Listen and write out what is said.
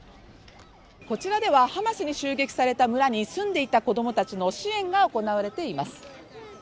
こちらではハマスに襲撃された村に住んでいた子どもたちの支援が行われています